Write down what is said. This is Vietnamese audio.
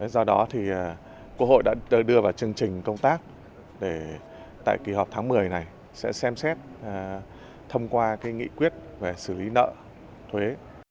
do đó thì quốc hội đã đưa vào chương trình công tác để tại kỳ họp tháng một mươi này sẽ xem xét thông qua nghị quyết về xử lý nợ thuế